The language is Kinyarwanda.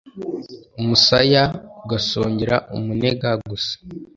umusaya ugasongera umunega gusa